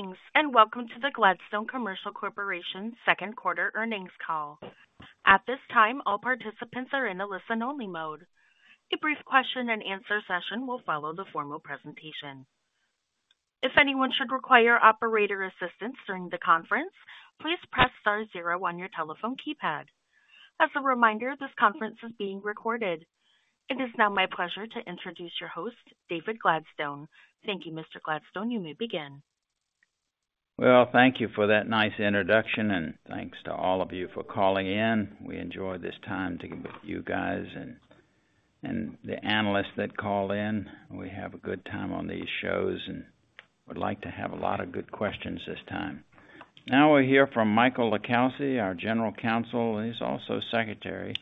Greetings and welcome to the Gladstone Commercial Corporation second quarter earnings call. At this time, all participants are in a listen-only mode. A brief question-and-answer session will follow the formal presentation. If anyone should require operator assistance during the conference, please press star zero on your telephone keypad. As a reminder, this conference is being recorded. It is now my pleasure to introduce your host, David Gladstone. Thank you, Mr. Gladstone. You may begin. Well, thank you for that nice introduction, and thanks to all of you for calling in. We enjoy this time together with you guys and the analysts that call in. We have a good time on these shows and would like to have a lot of good questions this time. Now we'll hear from Michael LiCalsi, our General Counsel. He's also Secretary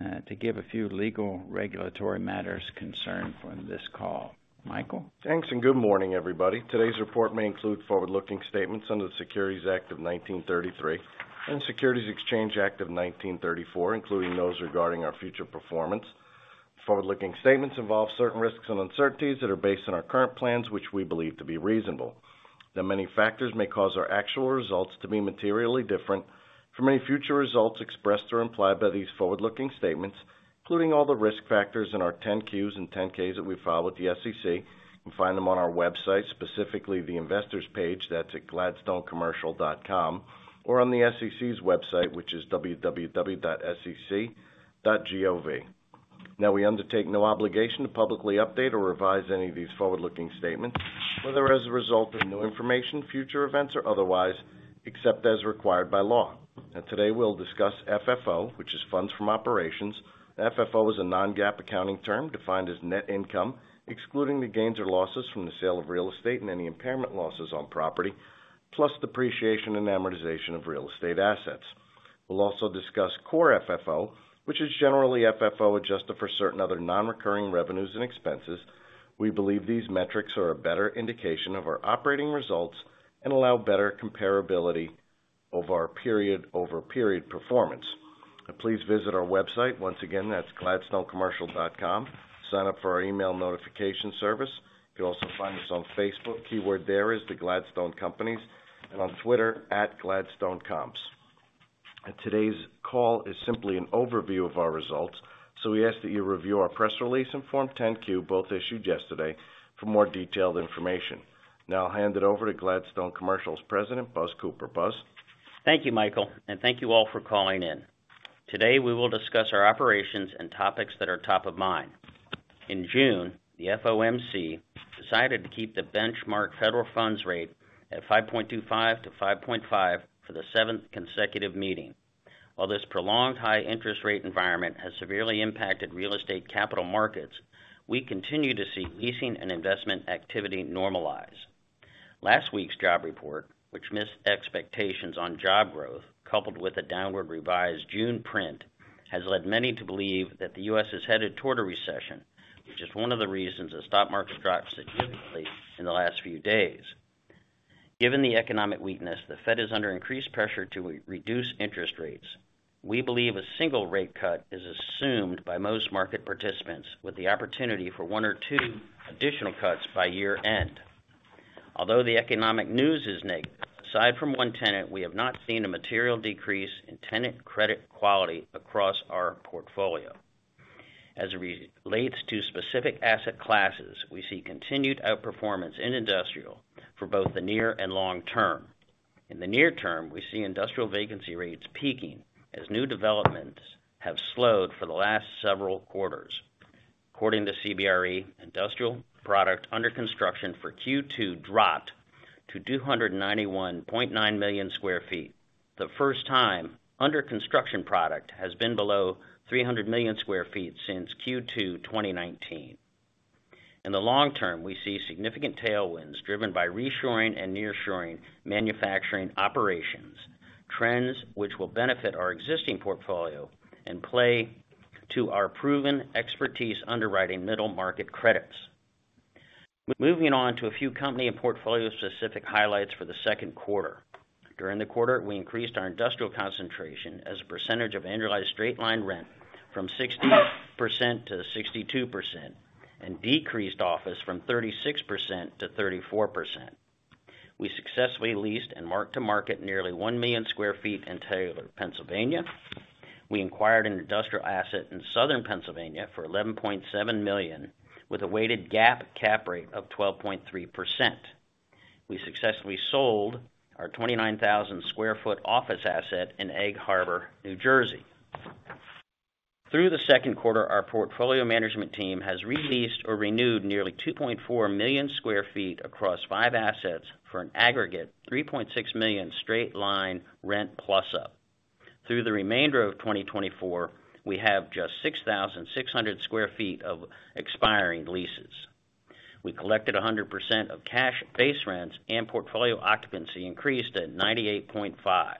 to give a few legal regulatory matters concerning this call. Michael? Thanks and good morning, everybody. Today's report may include forward-looking statements under the Securities Act of 1933 and Securities Exchange Act of 1934, including those regarding our future performance. Forward-looking statements involve certain risks and uncertainties that are based on our current plans, which we believe to be reasonable. There are many factors that may cause our actual results to be materially different from any future results expressed or implied by these forward-looking statements, including all the risk factors in our 10-Qs and 10-Ks that we file with the SEC. You can find them on our website, specifically the investors' page. That's at gladstonecommercial.com or on the SEC's website, which is www.sec.gov. Now, we undertake no obligation to publicly update or revise any of these forward-looking statements, whether as a result of new information, future events, or otherwise, except as required by law. Today, we'll discuss FFO, which is funds from operations. FFO is a non-GAAP accounting term defined as net income, excluding the gains or losses from the sale of real estate and any impairment losses on property, plus depreciation and amortization of real estate assets. We'll also discuss core FFO, which is generally FFO adjusted for certain other non-recurring revenues and expenses. We believe these metrics are a better indication of our operating results and allow better comparability of our period-over-period performance. Please visit our website. Once again, that's gladstonecommercial.com. Sign up for our email notification service. You can also find us on Facebook. The keyword there is The Gladstone Companies and on Twitter @gladstonecoms. Today's call is simply an overview of our results, so we ask that you review our press release and Form 10-Q, both issued yesterday, for more detailed information. Now I'll hand it over to Gladstone Commercial's President, Buzz Cooper. Buzz? Thank you, Michael, and thank you all for calling in. Today, we will discuss our operations and topics that are top of mind. In June, the FOMC decided to keep the benchmark Federal Funds Rate at 5.25-5.5 for the seventh consecutive meeting. While this prolonged high-interest rate environment has severely impacted real estate capital markets, we continue to see leasing and investment activity normalize. Last week's job report, which missed expectations on job growth, coupled with a downward revised June print, has led many to believe that the U.S. is headed toward a recession, which is one of the reasons the stock market dropped significantly in the last few days. Given the economic weakness, the Fed is under increased pressure to reduce interest rates. We believe a single rate cut is assumed by most market participants, with the opportunity for one or two additional cuts by year-end. Although the economic news is negative, aside from one tenant, we have not seen a material decrease in tenant credit quality across our portfolio. As it relates to specific asset classes, we see continued outperformance in industrial for both the near and long term. In the near term, we see industrial vacancy rates peaking as new developments have slowed for the last several quarters. According to CBRE, industrial product under construction for Q2 dropped to 291.9 million sq ft. The first time under construction product has been below 300 million sq ft since Q2 2019. In the long term, we see significant tailwinds driven by reshoring and nearshoring manufacturing operations, trends which will benefit our existing portfolio and play to our proven expertise underwriting middle market credits. Moving on to a few company and portfolio-specific highlights for the second quarter. During the quarter, we increased our industrial concentration as a % of annualized straight-line rent from 60% - 62% and decreased office from 36% - 34%. We successfully leased and marked to market nearly 1,000,000 sq ft in Taylor, Pennsylvania. We acquired an industrial asset in Southern Pennsylvania for $11.7 million with a weighted GAAP cap rate of 12.3%. We successfully sold our 29,000 sq ft office asset in Egg Harbor, New Jersey. Through the second quarter, our portfolio management team has re-leased or renewed nearly 2,400,000 sq ft across five assets for an aggregate $3.6 million straight-line rent plus-up. Through the remainder of 2024, we have just 6,600 sq ft of expiring leases. We collected 100% of cash base rents and portfolio occupancy increased at 98.5%.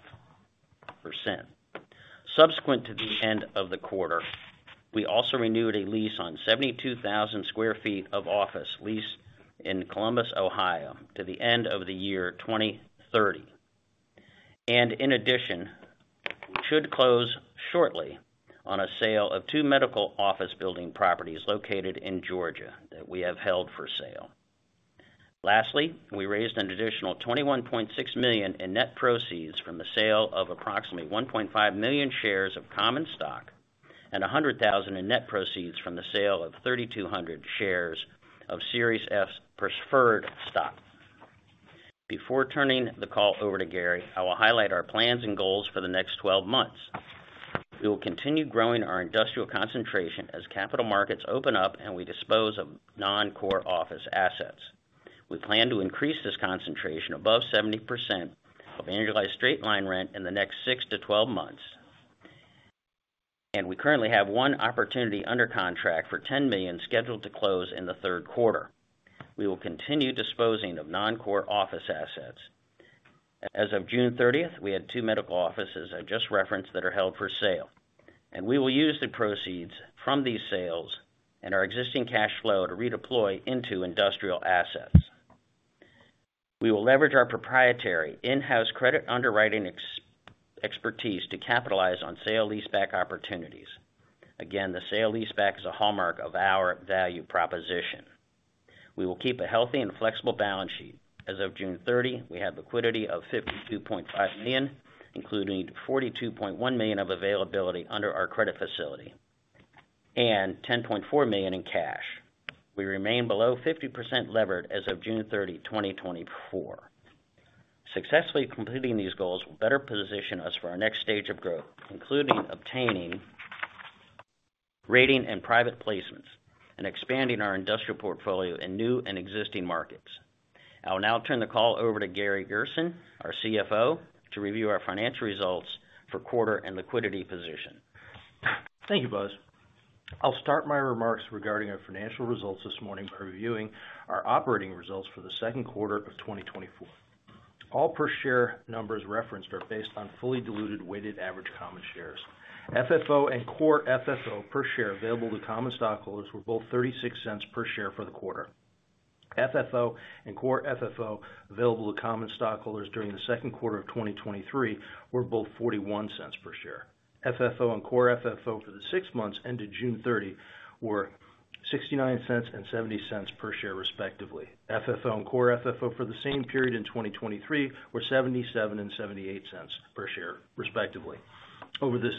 Subsequent to the end of the quarter, we also renewed a lease on 72,000 sq ft of office lease in Columbus, Ohio, to the end of the year 2030. In addition, we should close shortly on a sale of two medical office building properties located in Georgia that we have held for sale. Lastly, we raised an additional $21.6 million in net proceeds from the sale of approximately 1.5 million shares of common stock and $100,000 in net proceeds from the sale of 3,200 shares of Series F Preferred Stock. Before turning the call over to Gary, I will highlight our plans and goals for the next 12 months. We will continue growing our industrial concentration as capital markets open up and we dispose of non-core office assets. We plan to increase this concentration above 70% of annualized straight-line rent in the next 6 to 12 months. We currently have one opportunity under contract for $10 million scheduled to close in the third quarter. We will continue disposing of non-core office assets. As of June 30th, we had two medical offices I just referenced that are held for sale. We will use the proceeds from these sales and our existing cash flow to redeploy into industrial assets. We will leverage our proprietary in-house credit underwriting expertise to capitalize on sale lease-back opportunities. Again, the sale lease-back is a hallmark of our value proposition. We will keep a healthy and flexible balance sheet. As of June 30, we have liquidity of $52.5 million, including $42.1 million of availability under our credit facility, and $10.4 million in cash. We remain below 50% levered as of June 30, 2024. Successfully completing these goals will better position us for our next stage of growth, including obtaining rating and private placements and expanding our industrial portfolio in new and existing markets. I will now turn the call over to Gary Gerson, our CFO, to review our financial results for quarter and liquidity position. Thank you, Buzz. I'll start my remarks regarding our financial results this morning by reviewing our operating results for the second quarter of 2024. All per-share numbers referenced are based on fully diluted weighted average common shares. FFO and core FFO per share available to common stockholders were both $0.36 per share for the quarter. FFO and core FFO available to common stockholders during the second quarter of 2023 were both $0.41 per share. FFO and core FFO for the six months ended June 30 were $0.69 and $0.70 per share, respectively. FFO and core FFO for the same period in 2023 were $0.77 and $0.78 per share, respectively. Over this,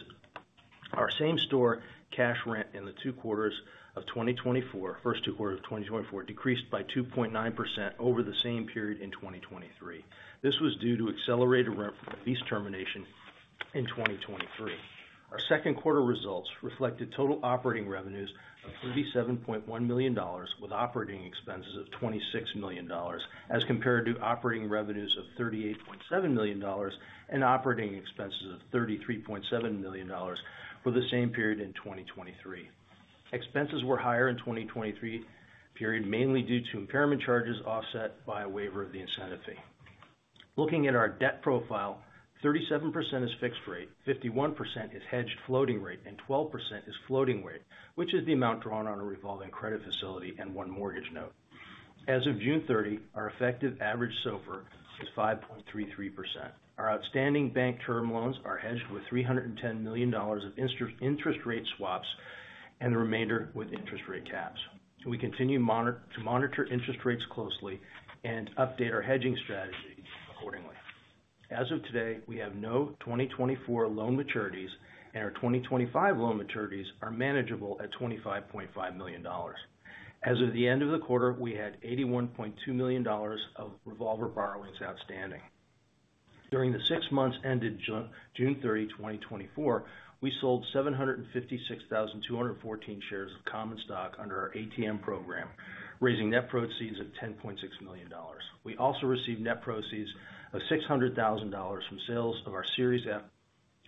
our same store cash rent in the two quarters of 2024, first two quarters of 2024, decreased by 2.9% over the same period in 2023. This was due to accelerated rent lease termination in 2023. Our second quarter results reflected total operating revenues of $37.1 million, with operating expenses of $26 million, as compared to operating revenues of $38.7 million and operating expenses of $33.7 million for the same period in 2023. Expenses were higher in the 2023 period, mainly due to impairment charges offset by a waiver of the incentive fee. Looking at our debt profile, 37% is fixed rate, 51% is hedged floating rate, and 12% is floating rate, which is the amount drawn on a revolving credit facility and one mortgage note. As of June 30, our effective average SOFR is 5.33%. Our outstanding bank term loans are hedged with $310 million of interest rate swaps and the remainder with interest rate caps. We continue to monitor interest rates closely and update our hedging strategy accordingly. As of today, we have no 2024 loan maturities, and our 2025 loan maturities are manageable at $25.5 million. As of the end of the quarter, we had $81.2 million of revolver borrowings outstanding. During the six months ended June 30, 2024, we sold 756,214 shares of common stock under our ATM program, raising net proceeds of $10.6 million. We also received net proceeds of $600,000 from sales of our Series F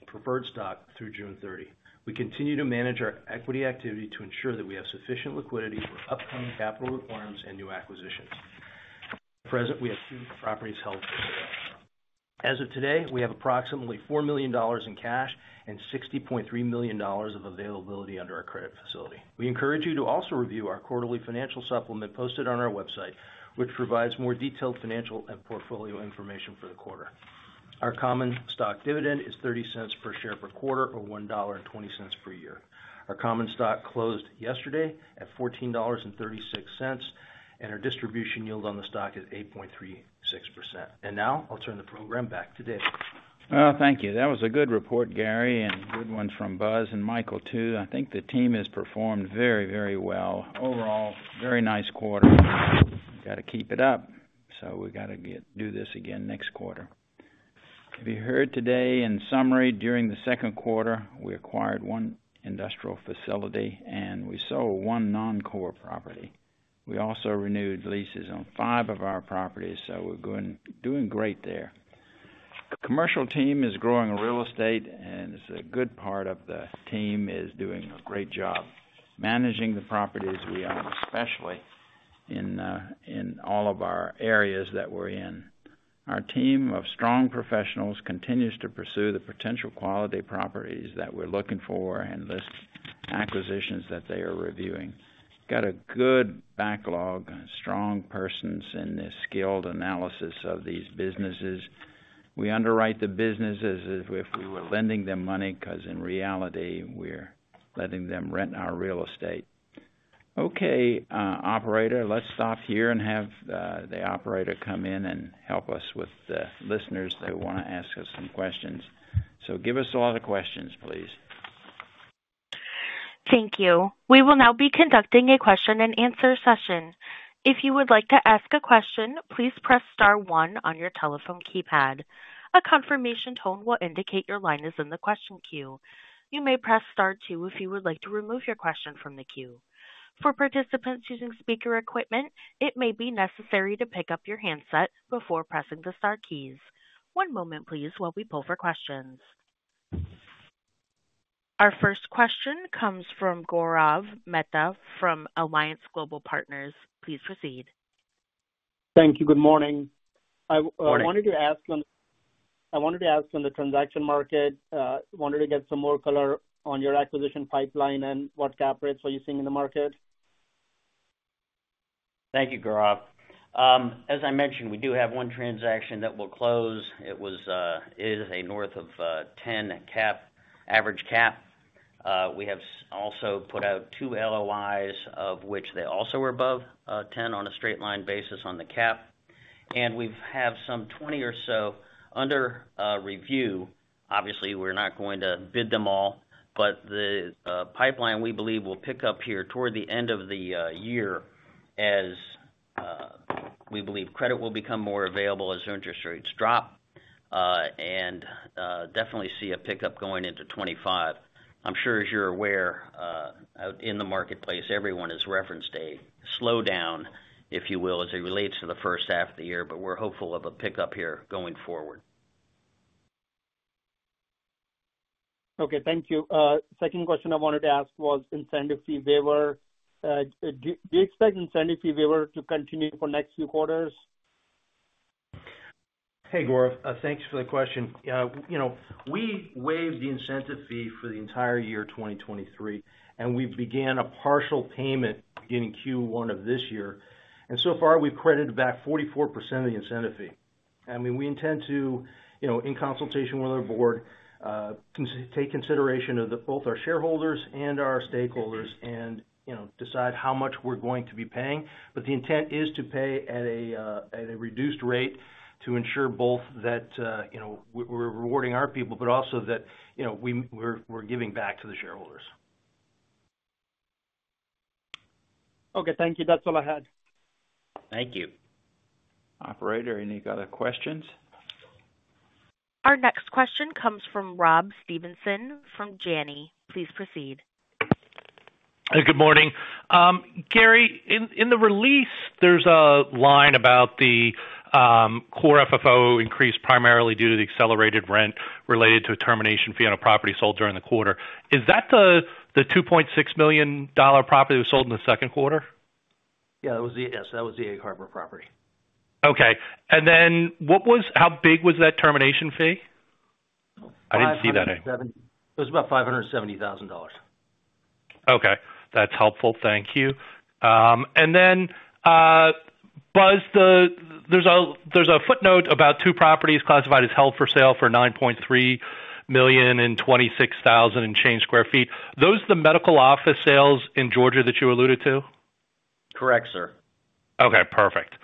Preferred Stock through June 30. We continue to manage our equity activity to ensure that we have sufficient liquidity for upcoming capital requirements and new acquisitions. At present, we have two properties held for sale. As of today, we have approximately $4 million in cash and $60.3 million of availability under our credit facility. We encourage you to also review our quarterly financial supplement posted on our website, which provides more detailed financial and portfolio information for the quarter. Our common stock dividend is $0.30 per share per quarter or $1.20 per year. Our common stock closed yesterday at $14.36, and our distribution yield on the stock is 8.36%. Now I'll turn the program back to David. Well, thank you. That was a good report, Gary, and good ones from Buzz and Michael too. I think the team has performed very, very well. Overall, very nice quarter. We've got to keep it up, so we've got to do this again next quarter. If you heard today, in summary, during the second quarter, we acquired one industrial facility and we sold one non-core property. We also renewed leases on five of our properties, so we're doing great there. The commercial team is growing real estate, and it's a good part of the team is doing a great job managing the properties, especially in all of our areas that we're in. Our team of strong professionals continues to pursue the potential quality properties that we're looking for and list acquisitions that they are reviewing. Got a good backlog, strong persons in this skilled analysis of these businesses. We underwrite the business as if we were lending them money because, in reality, we're letting them rent our real estate. Okay, operator, let's stop here and have the operator come in and help us with the listeners that want to ask us some questions. So give us a lot of questions, please. Thank you. We will now be conducting a question-and-answer session. If you would like to ask a question, please press star one on your telephone keypad. A confirmation tone will indicate your line is in the question queue. You may press star two if you would like to remove your question from the queue. For participants using speaker equipment, it may be necessary to pick up your handset before pressing the star keys. One moment, please, while we pull for questions. Our first question comes from Gaurav Mehta from Alliance Global Partners. Please proceed. Thank you. Good morning. I wanted to ask on the transaction market. I wanted to get some more color on your acquisition pipeline and what cap rates are you seeing in the market? Thank you, Gaurav. As I mentioned, we do have one transaction that will close. It is north of 10 average cap. We have also put out two LOIs, of which they also were above 10 on a straight-line basis on the cap. We have some 20 or so under review. Obviously, we're not going to bid them all, but the pipeline we believe will pick up here toward the end of the year as we believe credit will become more available as interest rates drop and definitely see a pickup going into 2025. I'm sure, as you're aware, out in the marketplace, everyone has referenced a slowdown, if you will, as it relates to the first half of the year, but we're hopeful of a pickup here going forward. Okay, thank you. Second question I wanted to ask was incentive fee waiver. Do you expect incentive fee waiver to continue for next few quarters? Hey, Gaurav, thanks for the question. We waived the incentive fee for the entire year 2023, and we began a partial payment beginning Q1 of this year. And so far, we've credited back 44% of the incentive fee. I mean, we intend to, in consultation with our board, take consideration of both our shareholders and our stakeholders and decide how much we're going to be paying. But the intent is to pay at a reduced rate to ensure both that we're rewarding our people, but also that we're giving back to the shareholders. Okay, thank you. That's all I had. Thank you. Operator, any other questions? Our next question comes from Rob Stevenson from Janney. Please proceed. Good morning. Gary, in the release, there's a line about the Core FFO increase primarily due to the accelerated rent related to a termination fee on a property sold during the quarter. Is that the $2.6 million property that was sold in the second quarter? Yeah, that was, yes, that was the Egg Harbor property. Okay. And then how big was that termination fee? I didn't see that in. It was about $570,000. Okay. That's helpful. Thank you. And then, Buzz, there's a footnote about two properties classified as held for sale for $9.3 million and 26,000 and change sq ft. Those are the medical office sales in Georgia that you alluded to? Correct, sir. Okay, perfect.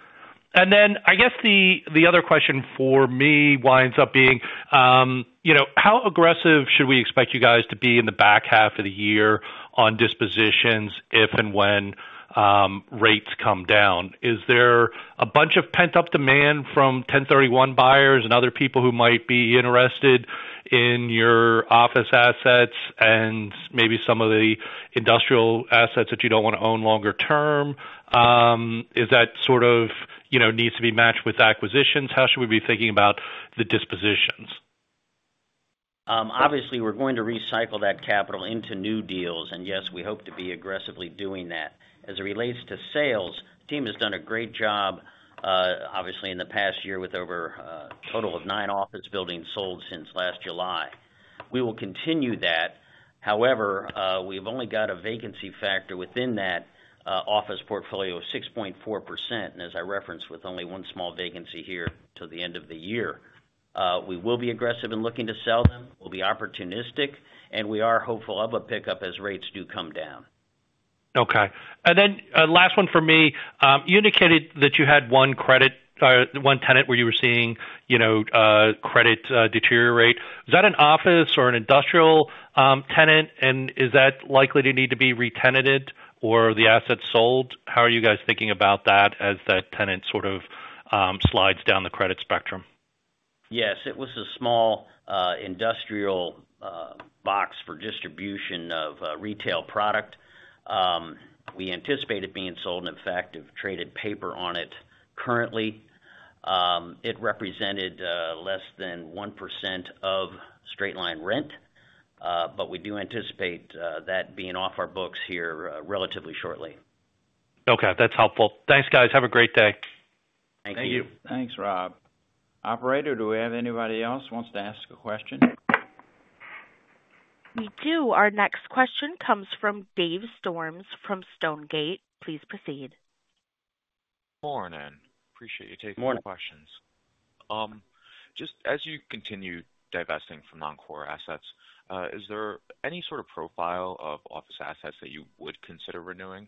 And then I guess the other question for me winds up being, how aggressive should we expect you guys to be in the back half of the year on dispositions if and when rates come down? Is there a bunch of pent-up demand from 1031 buyers and other people who might be interested in your office assets and maybe some of the industrial assets that you don't want to own longer term? Is that sort of needs to be matched with acquisitions? How should we be thinking about the dispositions? Obviously, we're going to recycle that capital into new deals, and yes, we hope to be aggressively doing that. As it relates to sales, the team has done a great job, obviously, in the past year with over a total of 9 office buildings sold since last July. We will continue that. However, we've only got a vacancy factor within that office portfolio of 6.4%, and as I referenced, with only one small vacancy here to the end of the year. We will be aggressive in looking to sell them. We'll be opportunistic, and we are hopeful of a pickup as rates do come down. Okay. And then last one for me. You indicated that you had one credit tenant where you were seeing credit deteriorate. Is that an office or an industrial tenant, and is that likely to need to be re-tenanted or the assets sold? How are you guys thinking about that as that tenant sort of slides down the credit spectrum? Yes. It was a small industrial box for distribution of retail product. We anticipate it being sold, and in fact, have traded paper on it currently. It represented less than 1% of straight-line rent, but we do anticipate that being off our books here relatively shortly. Okay. That's helpful. Thanks, guys. Have a great day. Thank you. Thank you. Thanks, Rob. Operator, do we have anybody else who wants to ask a question? We do. Our next question comes from Dave Storms from Stonegate. Please proceed. Morning. Appreciate you taking the questions. Morning. Just as you continue divesting from non-core assets, is there any sort of profile of office assets that you would consider renewing?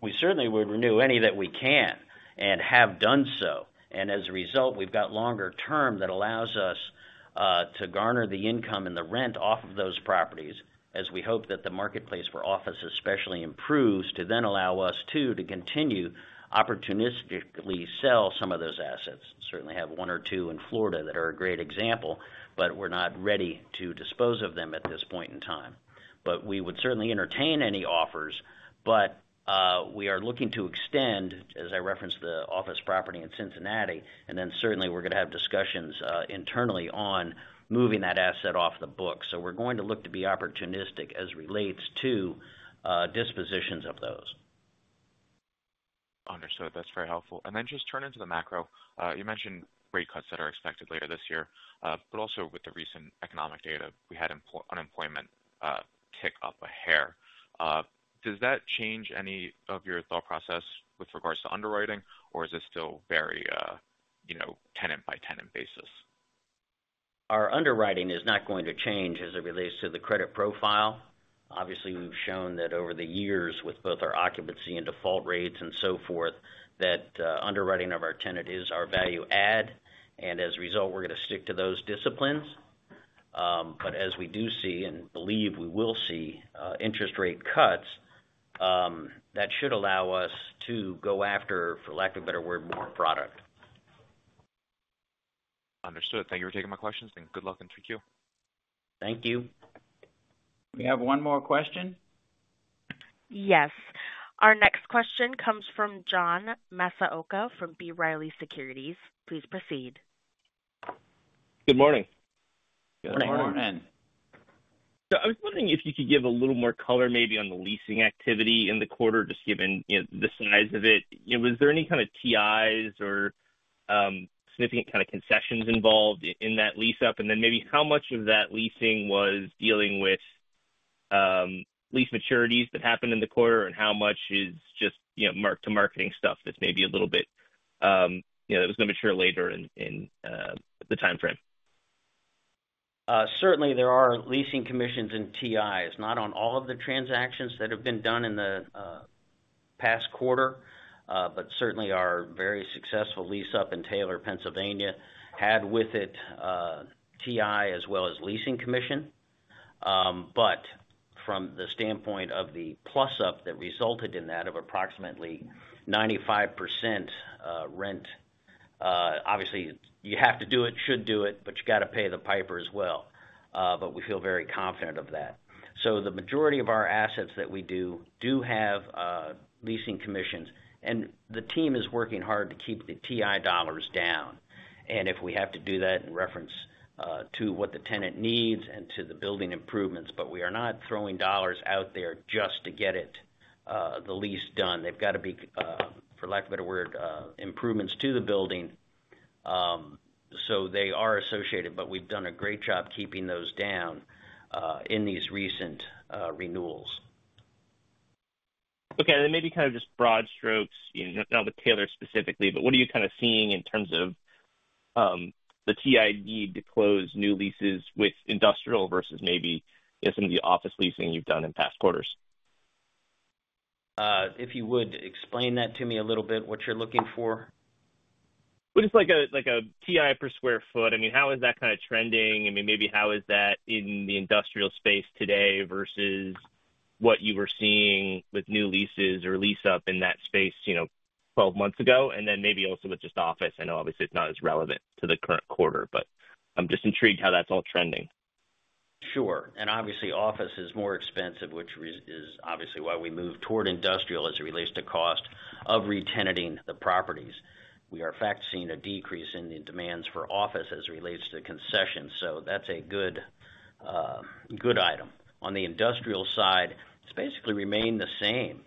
We certainly would renew any that we can and have done so. As a result, we've got longer term that allows us to garner the income and the rent off of those properties as we hope that the marketplace for office, especially, improves to then allow us too to continue opportunistically sell some of those assets. Certainly, have one or two in Florida that are a great example, but we're not ready to dispose of them at this point in time. We would certainly entertain any offers, but we are looking to extend, as I referenced, the office property in Cincinnati, and then certainly, we're going to have discussions internally on moving that asset off the books. We're going to look to be opportunistic as it relates to dispositions of those. Understood. That's very helpful. And then just turning to the macro, you mentioned rate cuts that are expected later this year, but also with the recent economic data, we had unemployment tick up a hair. Does that change any of your thought process with regards to underwriting, or is this still very tenant-by-tenant basis? Our underwriting is not going to change as it relates to the credit profile. Obviously, we've shown that over the years with both our occupancy and default rates and so forth, that underwriting of our tenant is our value add, and as a result, we're going to stick to those disciplines. But as we do see and believe we will see interest rate cuts, that should allow us to go after, for lack of a better word, more product. Understood. Thank you for taking my questions. Good luck in the Q. Thank you. We have one more question. Yes. Our next question comes from John Massocca from B. Riley Securities. Please proceed. Good morning. Good morning. Good morning. So I was wondering if you could give a little more color maybe on the leasing activity in the quarter, just given the size of it. Was there any kind of TIs or significant kind of concessions involved in that lease-up? And then maybe how much of that leasing was dealing with lease maturities that happened in the quarter, and how much is just marked to market stuff that's maybe a little bit that was going to mature later in the timeframe? Certainly, there are leasing commissions and TIs. Not on all of the transactions that have been done in the past quarter, but certainly, our very successful lease-up in Taylor, Pennsylvania, had with it TI as well as leasing commission. But from the standpoint of the plus-up that resulted in that of approximately 95% rent, obviously, you have to do it, should do it, but you got to pay the piper as well. But we feel very confident of that. So the majority of our assets that we do do have leasing commissions, and the team is working hard to keep the TI dollars down. And if we have to do that in reference to what the tenant needs and to the building improvements, but we are not throwing dollars out there just to get the lease done. They've got to be, for lack of a better word, improvements to the building. They are associated, but we've done a great job keeping those down in these recent renewals. Okay. And then maybe kind of just broad strokes, not with Taylor specifically, but what are you kind of seeing in terms of the TI need to close new leases with industrial versus maybe some of the office leasing you've done in past quarters? If you would explain that to me a little bit, what you're looking for? Well, just like a TI per sq ft. I mean, how is that kind of trending? I mean, maybe how is that in the industrial space today versus what you were seeing with new leases or lease-up in that space 12 months ago? And then maybe also with just office. I know, obviously, it's not as relevant to the current quarter, but I'm just intrigued how that's all trending. Sure. And obviously, office is more expensive, which is obviously why we move toward industrial as it relates to cost of re-tenanting the properties. We are in fact seeing a decrease in the demand for office as it relates to concessions. So that's a good item. On the industrial side, it's basically remained the same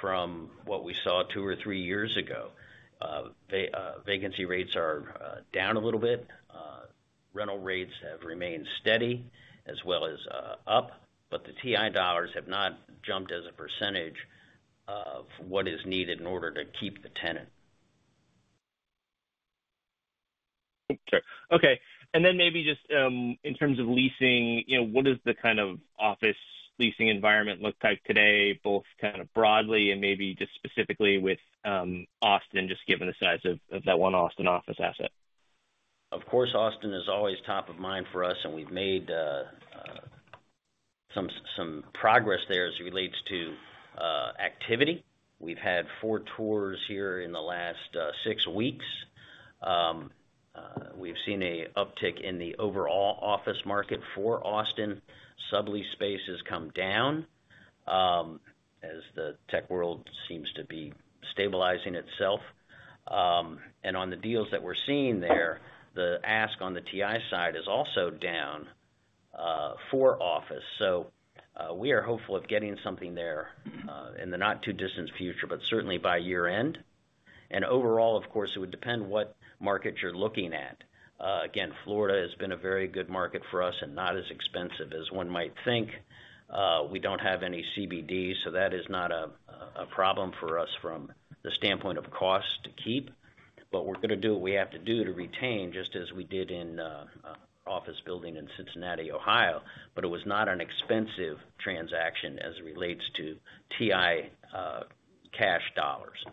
from what we saw two or three years ago. Vacancy rates are down a little bit. Rental rates have remained steady as well as up, but the TI dollars have not jumped as a percentage of what is needed in order to keep the tenant. Sure. Okay. And then maybe just in terms of leasing, what does the kind of office leasing environment look like today, both kind of broadly and maybe just specifically with Austin, just given the size of that one Austin office asset? Of course, Austin is always top of mind for us, and we've made some progress there as it relates to activity. We've had four tours here in the last six weeks. We've seen an uptick in the overall office market for Austin. Sublease space has come down as the tech world seems to be stabilizing itself. And on the deals that we're seeing there, the ask on the TI side is also down for office. So we are hopeful of getting something there in the not-too-distant future, but certainly by year-end. And overall, of course, it would depend what market you're looking at. Again, Florida has been a very good market for us and not as expensive as one might think. We don't have any CBD, so that is not a problem for us from the standpoint of cost to keep. But we're going to do what we have to do to retain, just as we did in office building in Cincinnati, Ohio, but it was not an expensive transaction as it relates to TI cash dollars.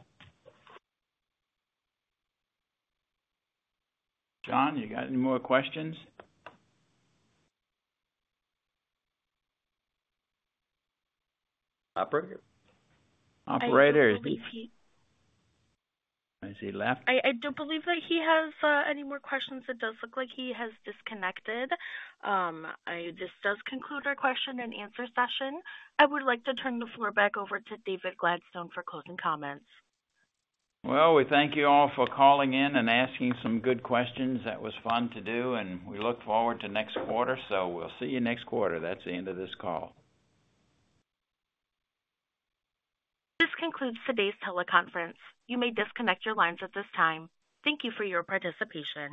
John, you got any more questions? Operator? I believe he. Is he left? I don't believe that he has any more questions. It does look like he has disconnected. This does conclude our question and answer session. I would like to turn the floor back over to David Gladstone for closing comments. Well, we thank you all for calling in and asking some good questions. That was fun to do, and we look forward to next quarter. So we'll see you next quarter. That's the end of this call. This concludes today's teleconference. You may disconnect your lines at this time. Thank you for your participation.